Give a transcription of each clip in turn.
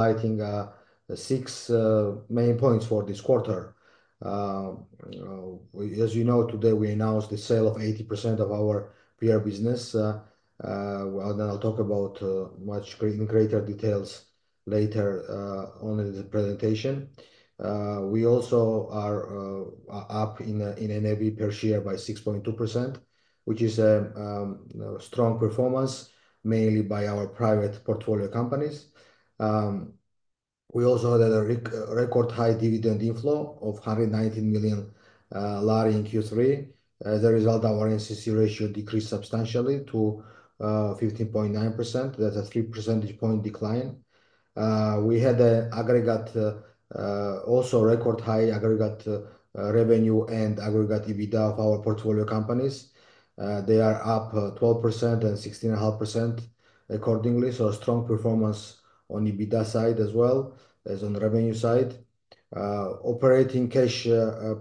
highlighting the six main points for this quarter. As you know, today we announced the sale of 80% of our beer business. Well, then I'll talk about much greater details later on the presentation. We also are up in NAV per share by 6.2%, which is a strong performance, mainly by our private portfolio companies. We also had a record high dividend inflow of GEL 190 million in Q3. As a result, our NCC ratio decreased substantially to 15.9%. That's a three percentage point decline. We had a aggregate also record high aggregate revenue and aggregate EBITDA of our portfolio companies. They are up 12% and 16.5% accordingly. A strong performance on EBITDA side as well as on the revenue side. Operating cash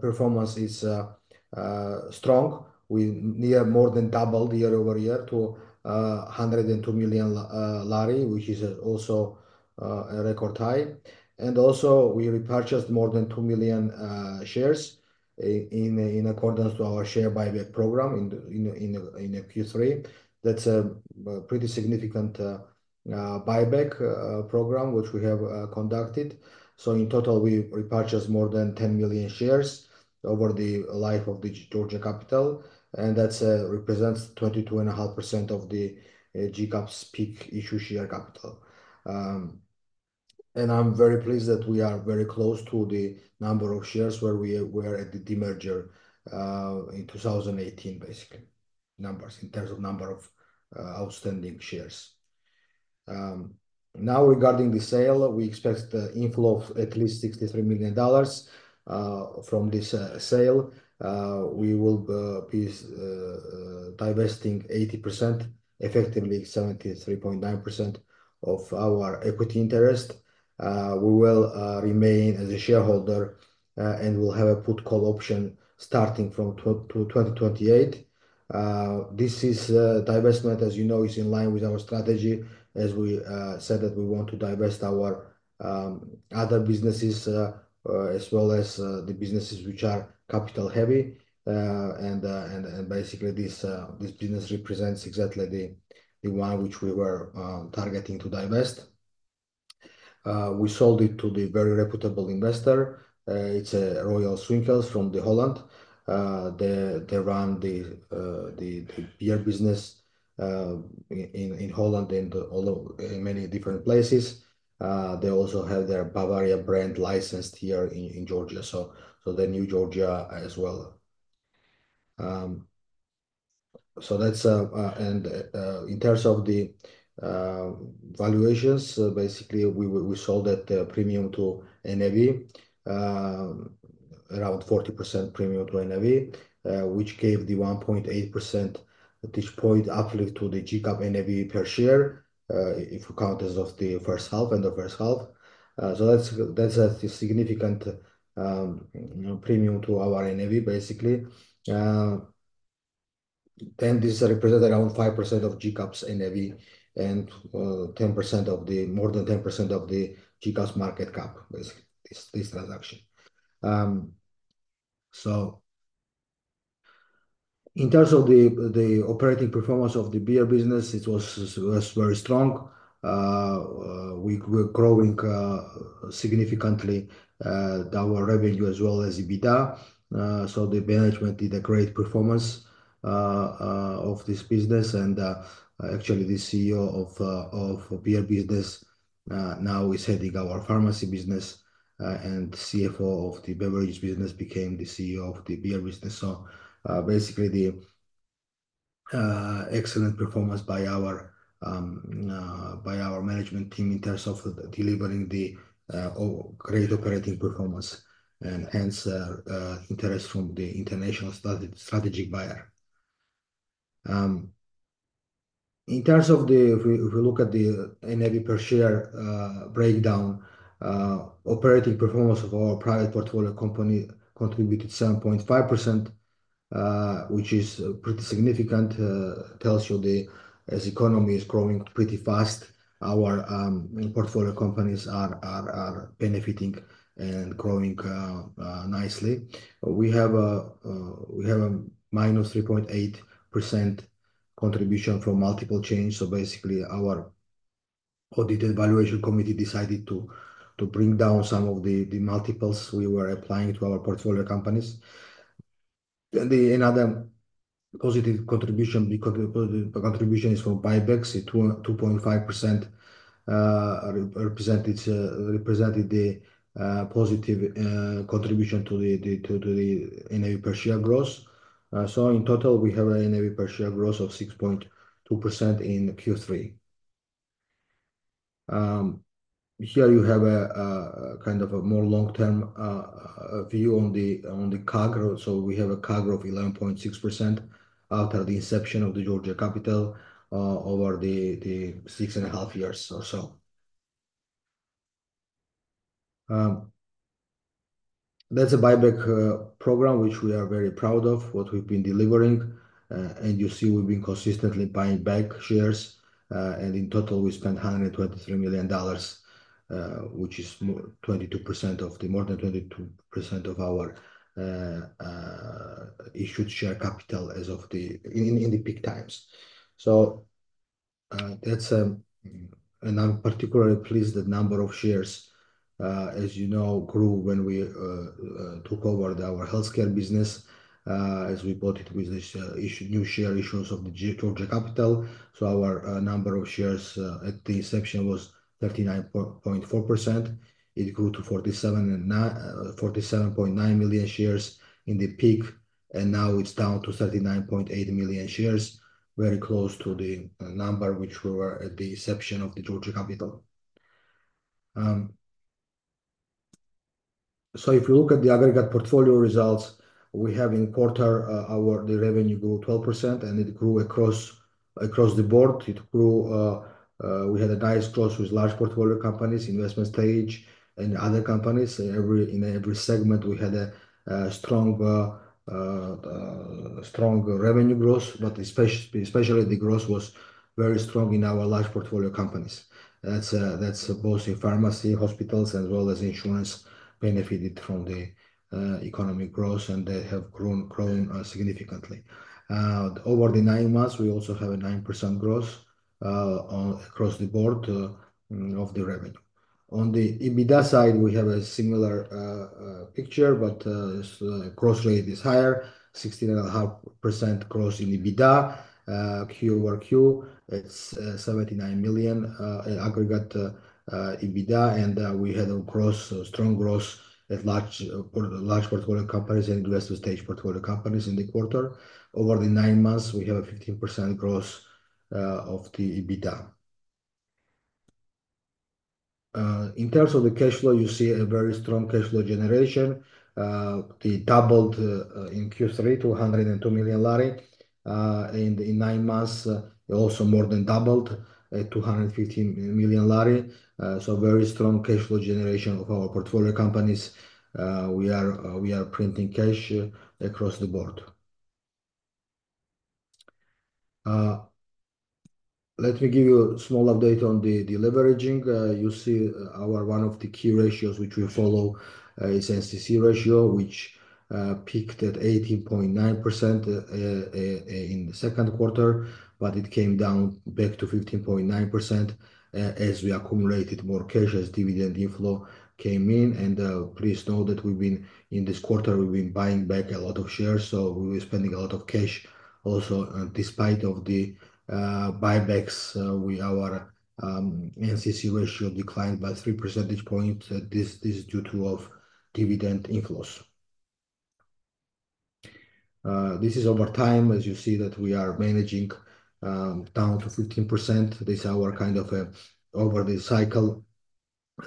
performance is strong. We nearly more than doubled year over year to 102 million GEL, which is also a record high. And also, we repurchased more than 2 million shares in Q3. That's a pretty significant buyback program, which we have conducted. In total, we repurchased more than 10 million shares over the life of Georgia Capital, and that represents 22.5% of the GCAP's peak issue share capital. And I'm very pleased that we are very close to the number of shares where we were at the demerger in 2018, basically numbers in terms of number of outstanding shares. Now, regarding the sale, we expect the inflow of at least $63 million from this sale. We will be divesting 80%, effectively 73.9% of our equity interest. We will remain as a shareholder and we'll have a put call option starting from to 2028. This divestment, as you know, is in line with our strategy, as we said that we want to divest our other businesses as well as the businesses which are capital heavy. And basically, this business represents exactly the one which we were targeting to divest. We sold it to the very reputable investor. It's Royal Swinkels from Holland. They run the beer business in Holland and all over in many different places. They also have their Bavaria brand licensed here in Georgia, so they knew Georgia as well. So that's... And in terms of the valuations, basically, we sold at a premium to NAV, around 40% premium to NAV, which gave the 1.8% at this point uplift to the GCAP NAV per share, if you count as of the first half, end of first half. So that's a significant premium to our NAV, basically. Then this represent around 5% of GCAP's NAV and 10% of the more than 10% of the GCAP's market cap, basically, this transaction. So in terms of the operating performance of the beer business, it was very strong. We were growing significantly our revenue as well as EBITDA. So the management did a great performance of this business. And actually, the CEO of beer business now is heading our pharmacy business, and CFO of the beverages business became the CEO of the beer business. So, basically, the excellent performance by our management team in terms of delivering the great operating performance, and hence, interest from the international strategic buyer. In terms of the. If we look at the NAV per share breakdown, operating performance of our private portfolio company contributed 7.5%, which is pretty significant, tells you the economy is growing pretty fast, our portfolio companies are benefiting and growing nicely. We have a minus 3.8% contribution from multiple change. So basically, our audited valuation committee decided to bring down some of the multiples we were applying to our portfolio companies. Another positive contribution is from buybacks. It's 2.5% represented the positive contribution to the NAV per share growth. So in total, we have a NAV per share growth of 6.2% in Q3. Here you have a kind of a more long-term view on the CAGR. So we have a CAGR of 11.6% after the inception of the Georgia Capital over the six and a half years or so. That's a buyback program, which we are very proud of, what we've been delivering. And you see, we've been consistently buying back shares, and in total, we spent $123 million, which is more than 22% of our issued share capital as of the peak times. So, that's, and I'm particularly pleased the number of shares, as you know, grew when we took over our healthcare business, as we bought it with this new share issuance of Georgia Capital. So our number of shares at the inception was 39.4 million. It grew to 47.9 million shares in the peak, and now it's down to 39.8 million shares, very close to the number which we were at the inception of Georgia Capital. So if you look at the aggregate portfolio results, we have in quarter the revenue grew 12%, and it grew across the board. It grew. We had a nice growth with large portfolio companies, investment stage, and other companies. In every segment, we had a strong revenue growth, but especially the growth was very strong in our large portfolio companies. That's both in pharmacy, hospitals, as well as insurance benefited from the economic growth, and they have grown significantly. Over the nine months, we also have a 9% growth across the board of the revenue. On the EBITDA side, we have a similar picture, but its growth rate is higher, 16.5% growth in EBITDA. Q over Q, it's seventy-nine million aggregate EBITDA, and we had a growth, strong growth at large portfolio companies and investor stage portfolio companies in the quarter. Over the nine months, we have a 15% growth of the EBITDA. In terms of the cash flow, you see a very strong cash flow generation. It doubled in Q3, GEL 202 million. In nine months, also more than doubled at GEL 215 million. So very strong cash flow generation of our portfolio companies. We are printing cash across the board. Let me give you a small update on the deleveraging. You see, our one of the key ratios which we follow is NCC ratio, which peaked at 18.9% in the second quarter, but it came down back to 15.9% as we accumulated more cash, as dividend inflow came in. And please note that in this quarter we've been buying back a lot of shares, so we're spending a lot of cash. Also, despite of the buybacks, our NCC ratio declined by three percentage points. This is due to of dividend inflows. This is over time, as you see, that we are managing down to 15%. This is our kind of over-the-cycle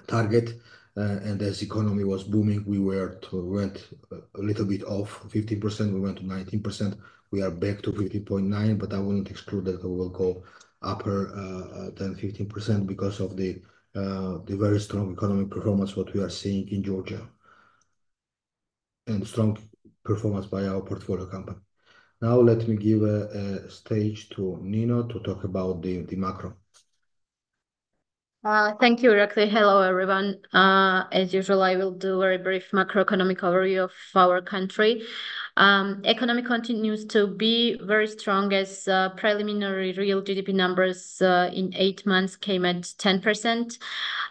target, and as economy was booming, we too went a little bit off 15%, we went to 19%. We are back to 15.9%, but I wouldn't exclude that we will go upper than 15% because of the very strong economic performance what we are seeing in Georgia, and strong performance by our portfolio company. Now, let me give a stage to Nino to talk about the macro. Thank you, Irakli. Hello, everyone. As usual, I will do a very brief macroeconomic overview of our country. Economy continues to be very strong as preliminary real GDP numbers in eight months came at 10%.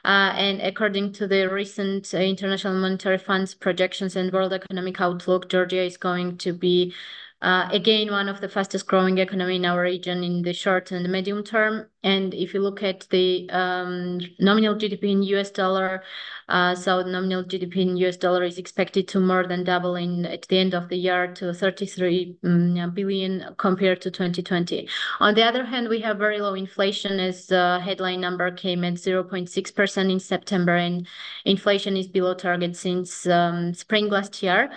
And according to the recent International Monetary Fund's projections and World Economic Outlook, Georgia is going to be again one of the fastest-growing economy in our region in the short and medium term. And if you look at the nominal GDP in U.S. dollar, so nominal GDP in U.S. dollar is expected to more than double at the end of the year to $33 billion compared to 2020. On the other hand, we have very low inflation, as the headline number came in 0.6% in September, and inflation is below target since spring last year.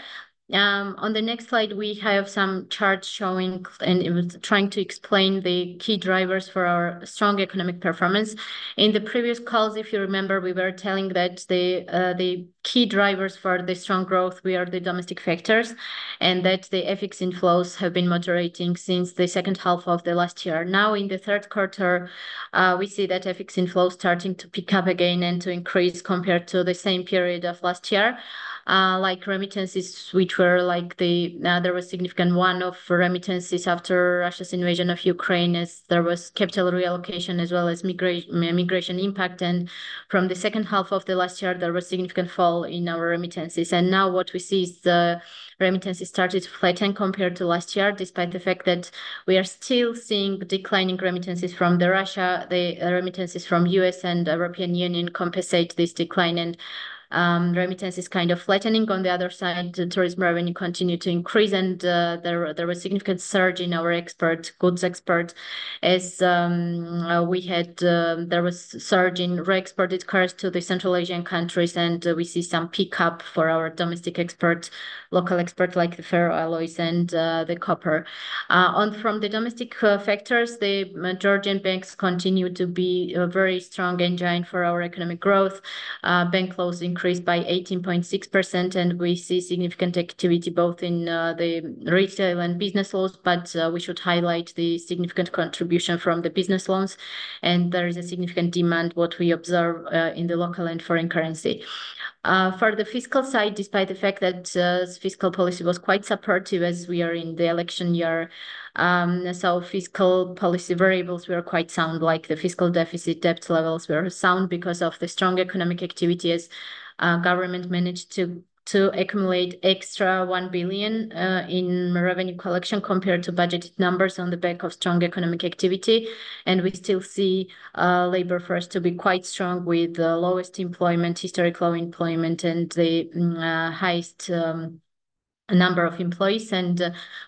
On the next slide, we have some charts showing and it was trying to explain the key drivers for our strong economic performance. In the previous calls, if you remember, we were telling that the key drivers for the strong growth were the domestic factors, and that the FX inflows have been moderating since the second half of the last year. Now, in the third quarter, we see that FX inflows starting to pick up again and to increase compared to the same period of last year. Like remittances, which were like the, there was significant inflow of remittances after Russia's invasion of Ukraine, as there was capital reallocation as well as migration impact. From the second half of the last year, there was significant fall in our remittances. Now what we see is the remittances started to flatten compared to last year, despite the fact that we are still seeing declining remittances from Russia. The remittances from US and European Union compensate this decline, and remittance is kind of flattening. On the other side, the tourism revenue continued to increase, and there was significant surge in our export, goods export, as there was surge in re-exported cars to the Central Asian countries, and we see some pick-up for our domestic export, local export, like the ferroalloys and the copper. One of the domestic factors, the Georgian banks continue to be a very strong engine for our economic growth. Bank loans increased by 18.6%, and we see significant activity both in the retail and business loans, but we should highlight the significant contribution from the business loans. There is a significant demand, what we observe, in the local and foreign currency. For the fiscal side, despite the fact that fiscal policy was quite supportive as we are in the election year. So fiscal policy variables were quite sound, like the fiscal deficit, debt levels were sound because of the strong economic activities. Government managed to accumulate extra GEL 1 billion in revenue collection compared to budgeted numbers on the back of strong economic activity. We still see labor force to be quite strong, with the lowest unemployment, historic low unemployment, and the highest number of employees.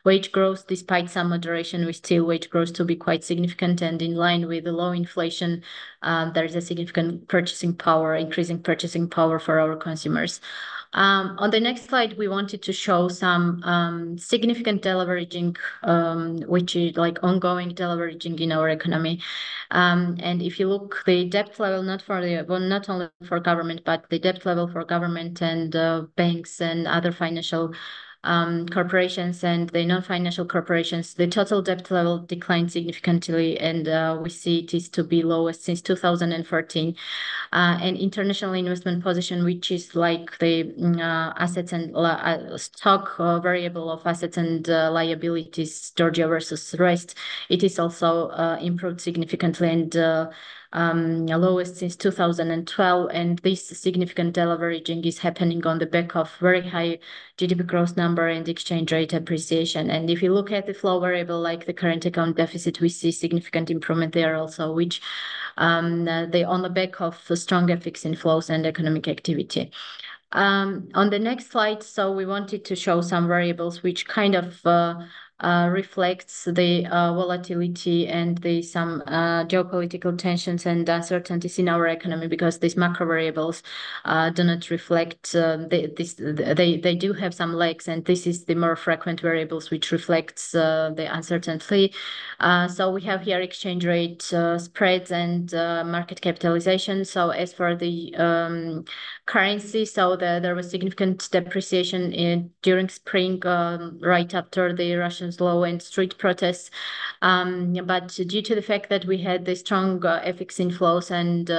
Wage growth, despite some moderation, we see wage growth to be quite significant and in line with the low inflation. There is a significant purchasing power, increase in purchasing power for our consumers. On the next slide, we wanted to show some significant deleveraging, which is like ongoing deleveraging in our economy. And if you look at the debt level, not for the - well, not only for government, but the debt level for government and banks and other financial corporations and the non-financial corporations, the total debt level declined significantly, and we see it is to be lowest since 2014. International investment position, which is like the assets and li- stock or variable of assets and liabilities, Georgia versus the rest. It is also improved significantly and lowest since 2012. And this significant deleveraging is happening on the back of very high GDP growth number and exchange rate appreciation. And if you look at the flow variable, like the current account deficit, we see significant improvement there also, which is on the back of stronger FDI inflows and economic activity. On the next slide, so we wanted to show some variables which kind of reflect the volatility and the geopolitical tensions and uncertainties in our economy, because these macro variables do not reflect this. They do have some lags, and this is the more frequent variables which reflects the uncertainty. So we have here exchange rate spreads and market capitalization. So as for the currency, there was significant depreciation during spring, right after the Russian law and street protests. But due to the fact that we had the strong FX inflows and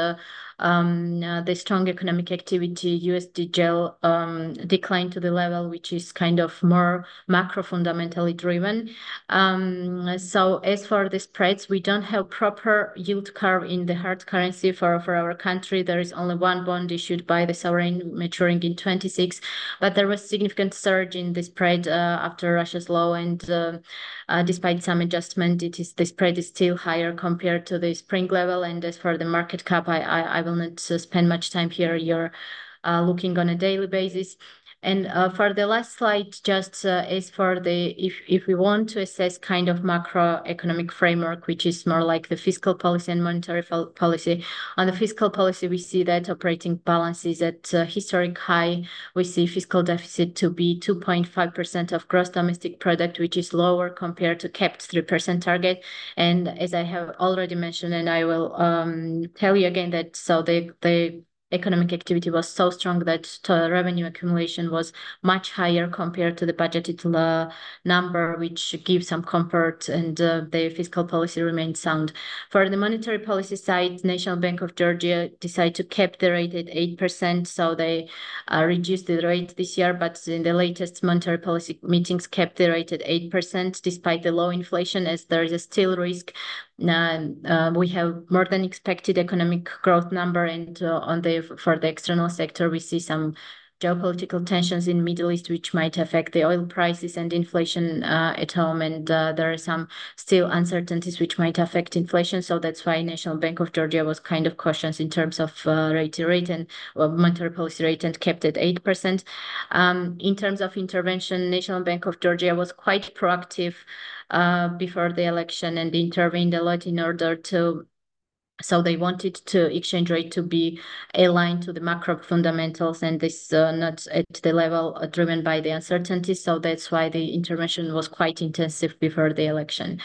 the strong economic activity, USD/GEL declined to the level, which is kind of more macro fundamentally driven. So as for the spreads, we don't have proper yield curve in the hard currency for our country. There is only one bond issued by the sovereign, maturing in 2026. But there was significant surge in the spread after Russia's law, and despite some adjustment, the spread is still higher compared to the spring level. And as for the market cap, I will not spend much time here. You're looking on a daily basis. For the last slide, if we want to assess kind of macroeconomic framework, which is more like the fiscal policy and monetary policy. On the fiscal policy, we see that operating balance is at a historic high. We see fiscal deficit to be 2.5% of gross domestic product, which is lower compared to capped 3% target. As I have already mentioned, and I will tell you again, that the economic activity was so strong that revenue accumulation was much higher compared to the budgeted number, which gives some comfort, and the fiscal policy remains sound. For the monetary policy side, National Bank of Georgia decided to cap the rate at 8%, so they reduced the rate this year, but in the latest monetary policy meetings, kept the rate at 8% despite the low inflation, as there is still a risk. We have more than expected economic growth number, and for the external sector, we see some geopolitical tensions in Middle East, which might affect the oil prices and inflation at home. There are still some uncertainties which might affect inflation. That's why National Bank of Georgia was kind of cautious in terms of rate and monetary policy rate, and kept it at 8%. In terms of intervention, National Bank of Georgia was quite proactive before the election and intervened a lot in order to... So they wanted the exchange rate to be aligned to the macro fundamentals, and this not at the level driven by the uncertainty, so that's why the intervention was quite intensive before the election.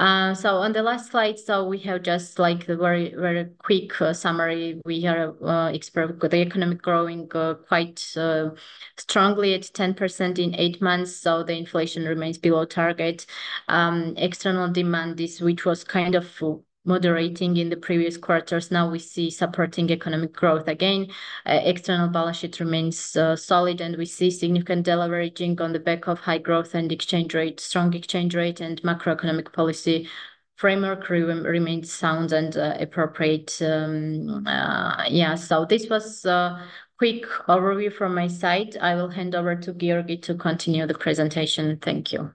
So on the last slide, we have just like a very, very quick summary. We are experiencing the economy growing quite strongly at 10% in eight months, so the inflation remains below target. External demand, which was kind of moderating in the previous quarters, now we see supporting economic growth again. The external balance sheet remains solid, and we see significant deleveraging on the back of high growth and strong exchange rate, and macroeconomic policy framework remains sound and appropriate. Yeah, so this was a quick overview from my side. I will hand over to Giorgi to continue the presentation. Thank you.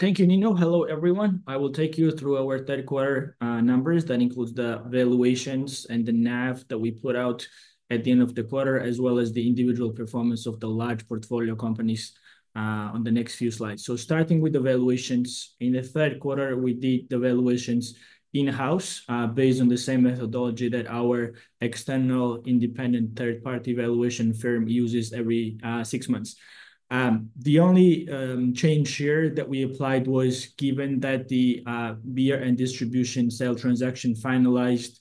Thank you, Nino. Hello, everyone. I will take you through our third quarter numbers. That includes the valuations and the NAV that we put out at the end of the quarter, as well as the individual performance of the large portfolio companies on the next few slides. So starting with the valuations, in the third quarter, we did the valuations in-house based on the same methodology that our external, independent, third-party valuation firm uses every six months. The only change here that we applied was, given that the beer and distribution sale transaction finalized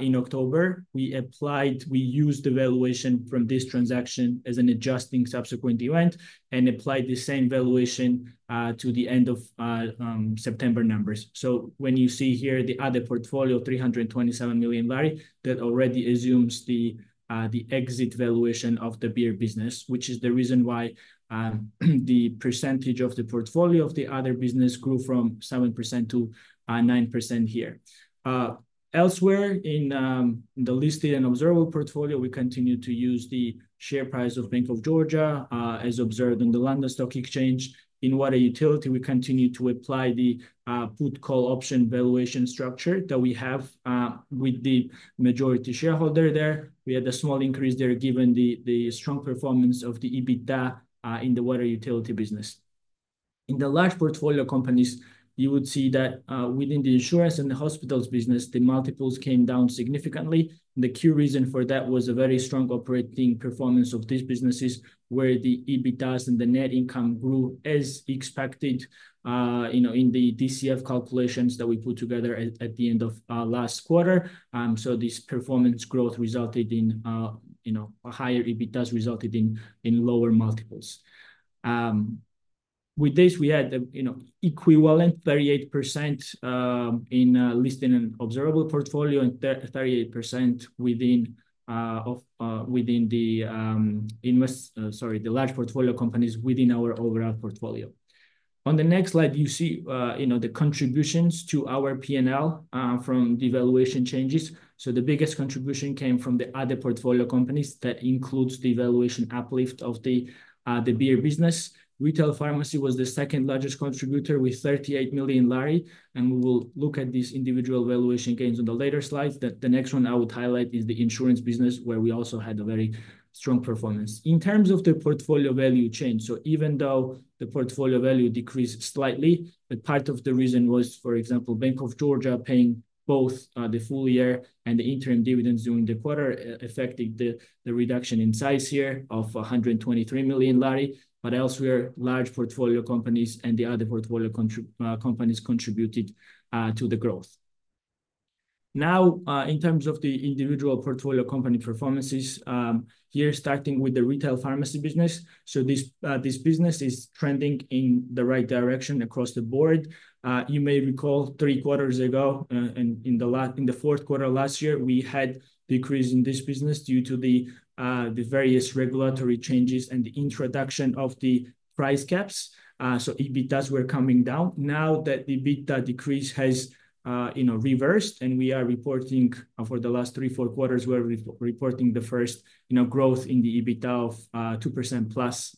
in October, we used the valuation from this transaction as an adjusting subsequent event and applied the same valuation to the end of September numbers. So when you see here the other portfolio, GEL 327 million, that already assumes the exit valuation of the beer business, which is the reason why the percentage of the portfolio of the other business grew from 7% to 9% here. Elsewhere in the listed and observable portfolio, we continued to use the share price of Bank of Georgia as observed in the London Stock Exchange. In water utility, we continued to apply the put call option valuation structure that we have with the majority shareholder there. We had a small increase there, given the strong performance of the EBITDA in the water utility business. In the large portfolio companies, you would see that within the insurance and the hospitals business, the multiples came down significantly. The key reason for that was a very strong operating performance of these businesses, where the EBITDA and the net income grew as expected, you know, in the DCF calculations that we put together at the end of last quarter. So this performance growth resulted in you know, a higher EBITDA resulted in lower multiples. With this, we had the you know, equivalent 38% in the listed and observable portfolio, and 38% within the large portfolio companies within our overall portfolio. On the next slide, you see you know, the contributions to our PNL from the valuation changes. So the biggest contribution came from the other portfolio companies. That includes the valuation uplift of the beer business. Retail pharmacy was the second largest contributor, with GEL 38 million, and we will look at these individual valuation gains on the later slides. The next one I would highlight is the insurance business, where we also had a very strong performance. In terms of the portfolio value change, so even though the portfolio value decreased slightly, but part of the reason was, for example, Bank of Georgia paying both the full year and the interim dividends during the quarter, affecting the reduction in size here of GEL 123 million. But elsewhere, large portfolio companies and the other portfolio companies contributed to the growth. Now, in terms of the individual portfolio company performances, here, starting with the retail pharmacy business. So this business is trending in the right direction across the board. You may recall, three quarters ago, in the fourth quarter last year, we had decrease in this business due to the various regulatory changes and the introduction of the price caps. So EBITDAs were coming down. Now that the EBITDA decrease has, you know, reversed, and we are reporting for the last three, four quarters, we're re-reporting the first, you know, growth in the EBITDA of 2% plus.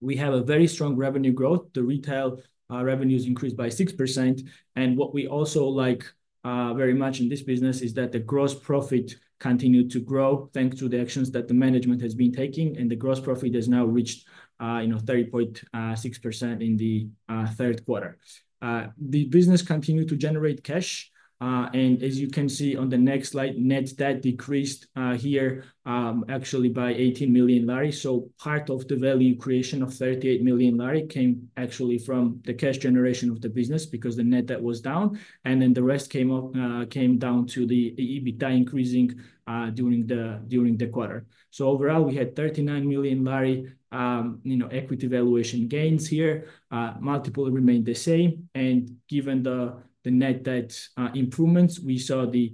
We have a very strong revenue growth. The retail revenues increased by 6%, and what we also like very much in this business is that the gross profit continued to grow, thanks to the actions that the management has been taking, and the gross profit has now reached, you know, 30.6% in the third quarter. The business continued to generate cash, and as you can see on the next slide, net debt decreased here, actually by GEL 18 million. So part of the value creation of GEL 38 million came actually from the cash generation of the business, because the net debt was down, and then the rest came up, came down to the EBITDA increasing during the quarter. So overall, we had GEL 39 million, you know, equity valuation gains here. Multiple remained the same, and given the net debt improvements, we saw the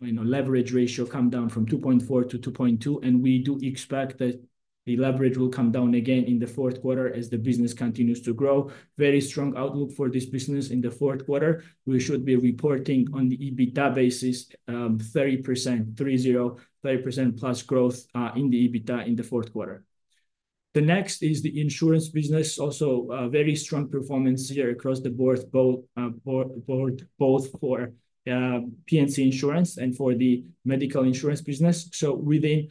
leverage ratio come down from 2.4 to 2.2, and we do expect that the leverage will come down again in the fourth quarter as the business continues to grow. Very strong outlook for this business in the fourth quarter. We should be reporting on the EBITDA basis, 30%, three-zero, 30%-plus growth in the EBITDA in the fourth quarter. The next is the insurance business. Also, a very strong performance here across the board, both for P&C insurance and for the medical insurance business. So within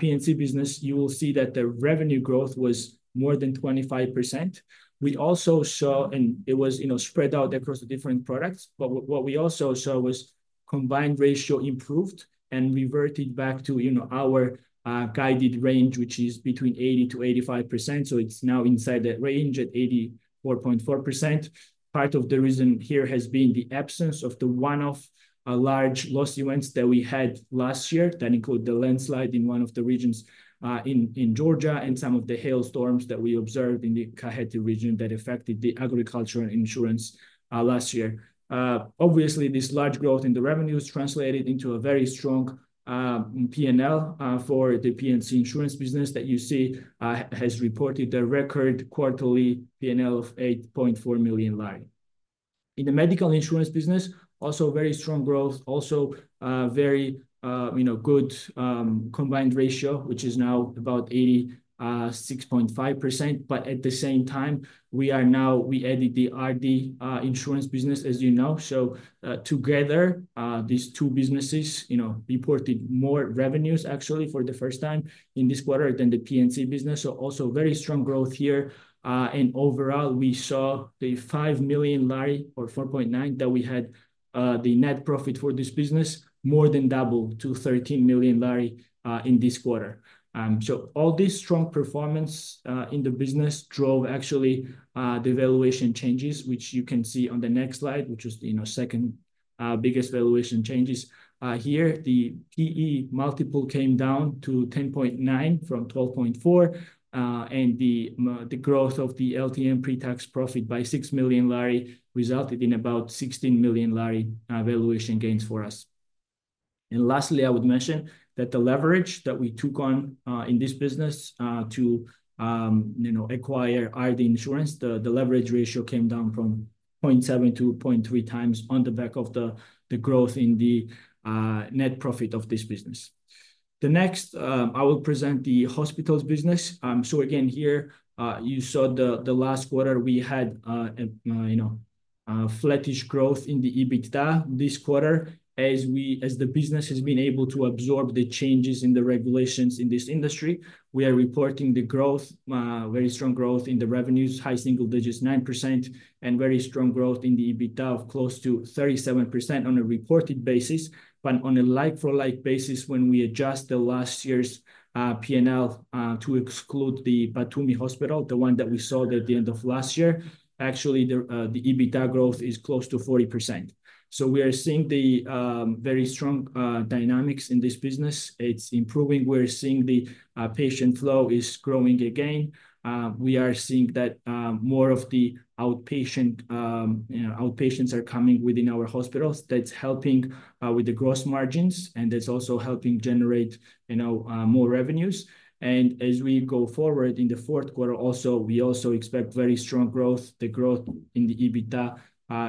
P&C business, you will see that the revenue growth was more than 25%. We also saw. And it was, you know, spread out across the different products, but what we also saw was combined ratio improved and reverted back to, you know, our guided range, which is between 80%-85%, so it's now inside that range at 84.4%. Part of the reason here has been the absence of the one-off large loss events that we had last year. That include the landslide in one of the regions, in Georgia and some of the hailstorms that we observed in the Kakheti region that affected the agriculture insurance, last year. Obviously, this large growth in the revenues translated into a very strong PNL for the P&C insurance business that you see has reported a record quarterly PNL of GEL 8.4 million. In the medical insurance business, also very strong growth, also very you know good combined ratio, which is now about 86.5%. But at the same time, we added the Ardi Insurance business, as you know. So together, these two businesses, you know, reported more revenues actually for the first time in this quarter than the P&C business. So also very strong growth here. And overall, we saw the GEL five million, or $4.9 million, that we had, the net profit for this business more than double to GEL 13 million in this quarter. So all this strong performance in the business drove actually the valuation changes, which you can see on the next slide, which is, you know, second biggest valuation changes. Here, the P/E multiple came down to 10.9 from 12.4, and the growth of the LTM pre-tax profit by GEL 6 million resulted in about GEL 16 million valuation gains for us. And lastly, I would mention that the leverage that we took on in this business to, you know, acquire Ardi insurance, the leverage ratio came down from 0.7 to 0.3 times on the back of the growth in the net profit of this business. Next, I will present the hospitals business. So again, here, you saw the last quarter we had, you know, flattish growth in the EBITDA this quarter as the business has been able to absorb the changes in the regulations in this industry. We are reporting the growth, very strong growth in the revenues, high single digits, 9%, and very strong growth in the EBITDA of close to 37% on a reported basis. But on a like-for-like basis, when we adjust the last year's PNL to exclude the Batumi hospital, the one that we sold at the end of last year, actually, the EBITDA growth is close to 40%. So we are seeing the very strong dynamics in this business. It's improving. We're seeing the patient flow is growing again. We are seeing that more of the outpatient, you know, outpatients are coming within our hospitals. That's helping with the gross margins, and that's also helping generate, you know, more revenues. And as we go forward in the fourth quarter also, we also expect very strong growth. The growth in the EBITDA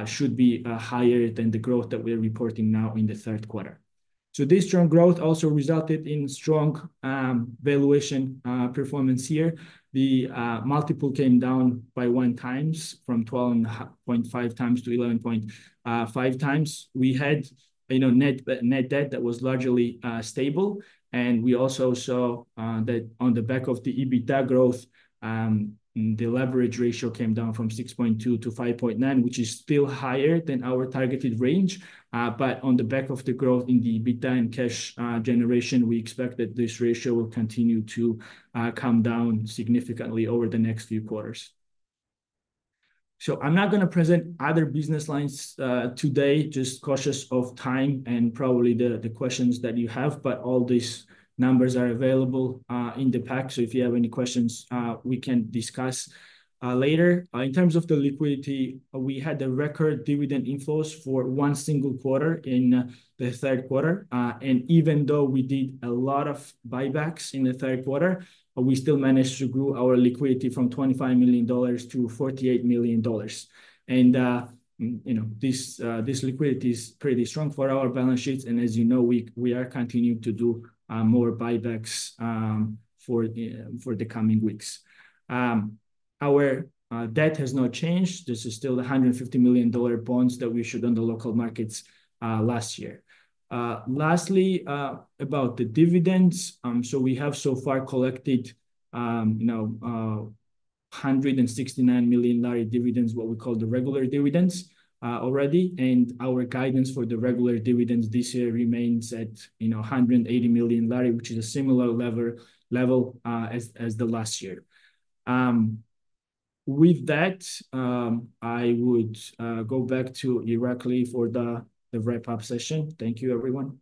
should be higher than the growth that we are reporting now in the third quarter. So this strong growth also resulted in strong, valuation, performance here. The multiple came down by one times from 12.5 times to 11.5 times. We had, you know, net debt that was largely, stable, and we also saw, that on the back of the EBITDA growth, the leverage ratio came down from 6.2 to 5.9, which is still higher than our targeted range. But on the back of the growth in the EBITDA and cash, generation, we expect that this ratio will continue to, come down significantly over the next few quarters. So I'm not gonna present other business lines, today, just cautious of time and probably the questions that you have. But all these numbers are available in the pack, so if you have any questions, we can discuss later. In terms of the liquidity, we had a record dividend inflows for one single quarter in the third quarter. And even though we did a lot of buybacks in the third quarter, we still managed to grow our liquidity from $25 million to $48 million. And you know, this liquidity is pretty strong for our balance sheets, and as you know, we are continuing to do more buybacks for the coming weeks. Our debt has not changed. This is still the $150 million bonds that we issued on the local markets last year. Lastly, about the dividends, so we have so far collected, you know, 169 million GEL dividends, what we call the regular dividends, already. Our guidance for the regular dividends this year remains at, you know, 180 million GEL, which is a similar level as the last year. With that, I would go back to Irakli for the wrap-up session. Thank you, everyone.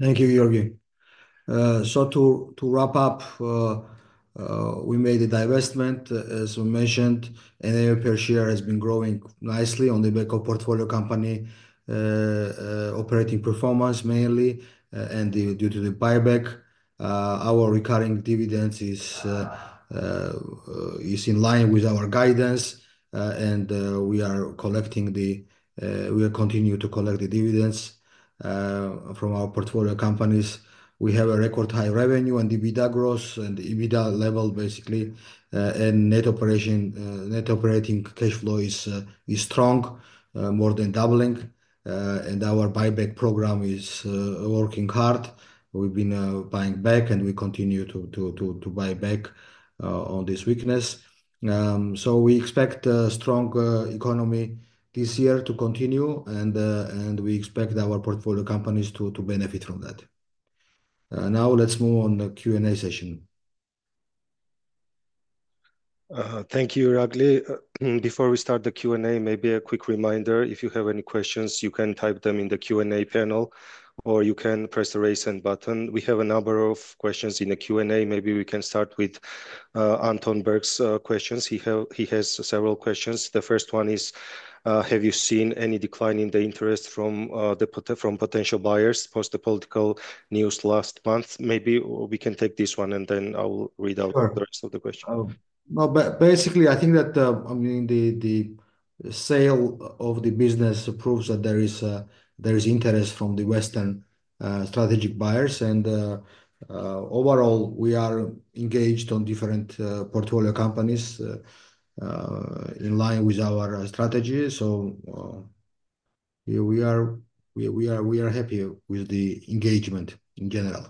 Thank you, Giorgi. So to wrap up, we made a divestment, as we mentioned, and our per share has been growing nicely on the back of portfolio company operating performance mainly, and due to the buyback, our recurring dividends is in line with our guidance, and we are continuing to collect the dividends from our portfolio companies. We have a record high revenue and EBITDA, gross and EBITDA level, basically, and net operating cash flow is strong, more than doubling, and our buyback program is working hard. We've been buying back, and we continue to buy back on this weakness. So we expect a strong economy this year to continue, and we expect our portfolio companies to benefit from that. Now let's move on the Q&A session. Thank you, Irakli. Before we start the Q&A, maybe a quick reminder, if you have any questions, you can type them in the Q&A panel, or you can press the Raise Hand button. We have a number of questions in the Q&A. Maybe we can start with Anton Berg's questions. He has several questions. The first one is: Have you seen any decline in the interest from potential buyers post the political news last month? Maybe we can take this one, and then I will read out- Sure... the rest of the questions. No, basically, I think that, I mean, the sale of the business proves that there is interest from the Western strategic buyers, and overall, we are engaged on different portfolio companies in line with our strategy, so we are happy with the engagement in general.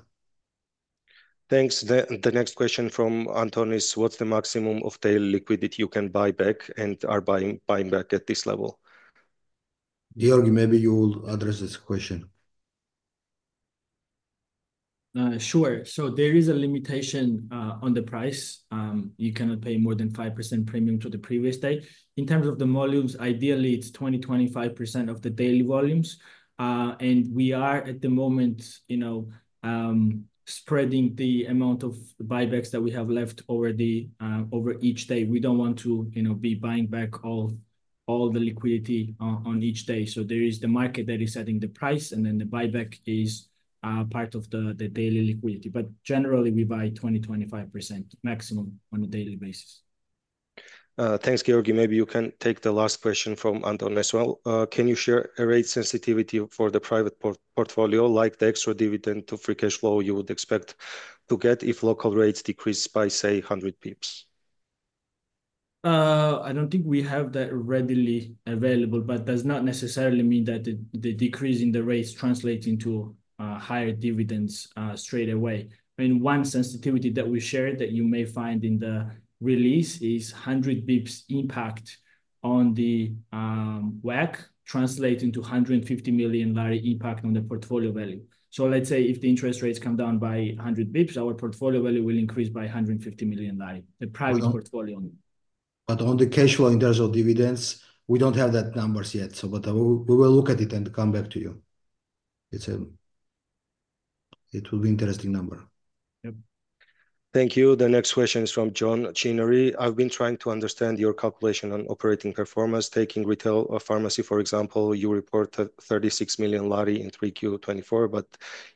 Thanks. The next question from Anton is: What's the maximum of the liquidity you can buy back and are buying back at this level? Giorgi, maybe you will address this question. Sure. So there is a limitation on the price. You cannot pay more than 5% premium to the previous day. In terms of the volumes, ideally, it's 20-25% of the daily volumes. And we are, at the moment, you know, spreading the amount of buybacks that we have left over each day. We don't want to, you know, be buying back all the liquidity on each day. So there is the market that is setting the price, and then the buyback is part of the daily liquidity. But generally, we buy 20-25% maximum on a daily basis. Thanks, Giorgi. Maybe you can take the last question from Anton as well. Can you share a rate sensitivity for the private portfolio, like the extra dividend to free cash flow you would expect to get if local rates decrease by, say, hundred pips?... I don't think we have that readily available, but does not necessarily mean that the decrease in the rates translate into higher dividends straight away. I mean, one sensitivity that we shared that you may find in the release is 100 basis points impact on the WACC, translating to 150 million GEL impact on the portfolio value. So let's say if the interest rates come down by 100 basis points, our portfolio value will increase by 150 million GEL, the price portfolio. But on the cash flow in terms of dividends, we don't have that numbers yet, but we will look at it and come back to you. It's it will be interesting number. Yep. Thank you. The next question is from John Chinnery. I've been trying to understand your calculation on operating performance. Taking retail or pharmacy, for example, you reported GEL 36 million in 3Q 2024, but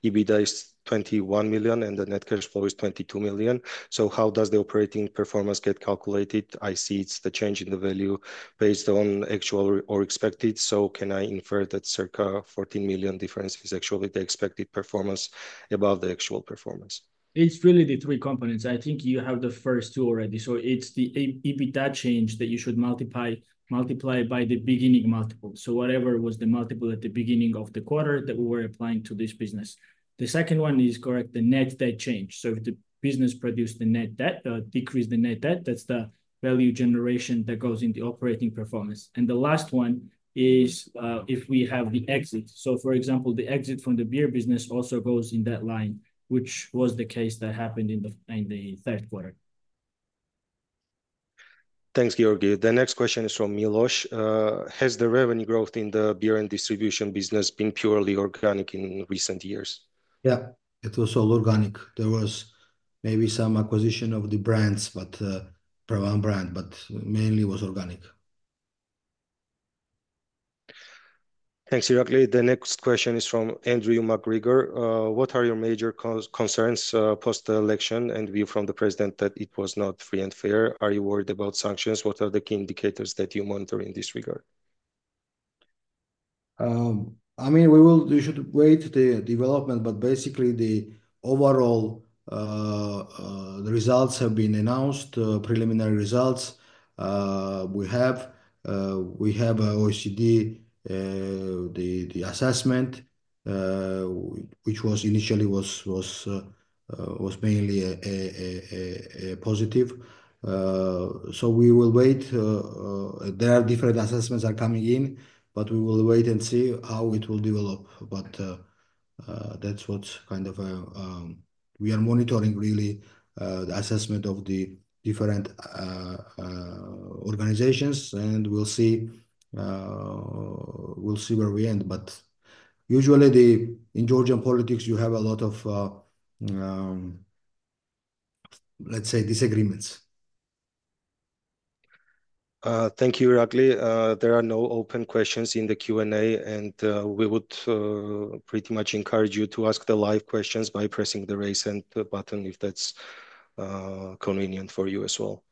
EBITDA is GEL 21 million, and the net cash flow is GEL 22 million. So how does the operating performance get calculated? I see it's the change in the value based on actual or expected, so can I infer that circa GEL 14 million difference is actually the expected performance above the actual performance? It's really the three components. I think you have the first two already. So it's the EBITDA change that you should multiply by the beginning multiple. So whatever was the multiple at the beginning of the quarter that we were applying to this business. The second one is correct, the net debt change. So if the business produced the net debt decreased the net debt, that's the value generation that goes in the operating performance. And the last one is if we have the exit. So for example, the exit from the beer business also goes in that line, which was the case that happened in the third quarter. Thanks, Giorgi. The next question is from Milosh. "Has the revenue growth in the beer and distribution business been purely organic in recent years? Yeah, it was all organic. There was maybe some acquisition of the brands, but, for one brand, but mainly it was organic. Thanks, Irakli. The next question is from Andrew McGregor. "What are your major concerns post-election and view from the president that it was not free and fair? Are you worried about sanctions? What are the key indicators that you monitor in this regard? I mean, we will, we should wait the development, but basically, the overall, the results have been announced, preliminary results. We have OECD, the assessment, which was initially mainly a positive. So we will wait. There are different assessments are coming in, but we will wait and see how it will develop. But that's what kind of. We are monitoring really the assessment of the different organizations, and we'll see, we'll see where we end. But usually, in Georgian politics, you have a lot of, let's say disagreements. Thank you, Irakli. There are no open questions in the Q&A, and we would pretty much encourage you to ask the live questions by pressing the raise hand button, if that's convenient for you as well.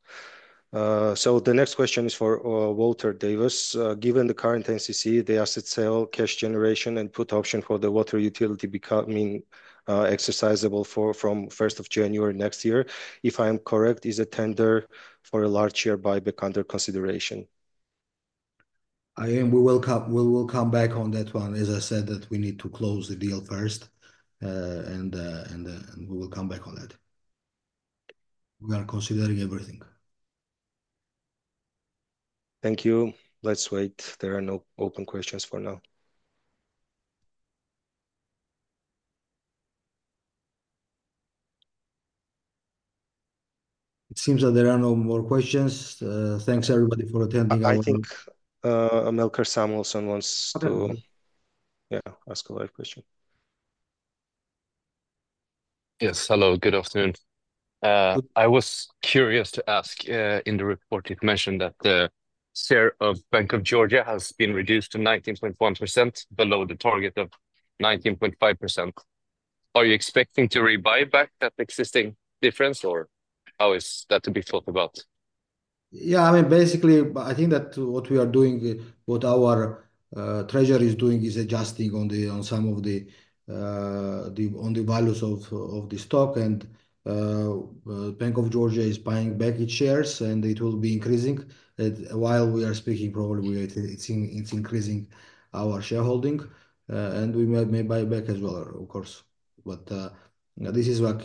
So the next question is for Walter Davis. "Given the current NCC, the asset sale, cash generation, and put option for the water utility becoming exercisable from first of January next year, if I am correct, is a tender for a large share buyback under consideration? We will come, we will come back on that one. As I said, that we need to close the deal first, and we will come back on that. We are considering everything. Thank you. Let's wait. There are no open questions for now. It seems that there are no more questions. Thanks everybody for attending our- I think, Melker Samuelsson wants to- Okay... yeah, ask a live question. Yes. Hello, good afternoon. I was curious to ask, in the report you've mentioned that the share of Bank of Georgia has been reduced to 19.1%, below the target of 19.5%. Are you expecting to rebuy back that existing difference, or how is that to be thought about? Yeah, I mean, basically, I think that what we are doing, what our treasury is doing is adjusting on some of the values of the stock. And Bank of Georgia is buying back its shares, and it will be increasing. And while we are speaking, probably we are, it's increasing our shareholding, and we may buy back as well, of course. But this is work,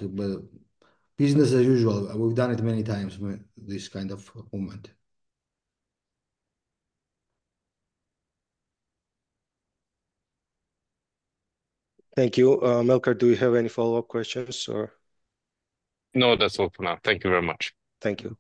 business as usual. We've done it many times, when this kind of moment. Thank you. Melker, do you have any follow-up questions or? No, that's all for now. Thank you very much. Thank you.